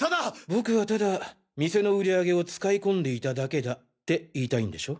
僕はただ店の売り上げを使い込んでいただけだって言いたいんでしょ？